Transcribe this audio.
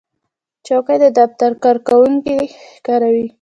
چوکۍ د دفتر کارکوونکي کاروي.